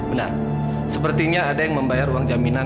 benar sepertinya ada yang membayar uang jaminan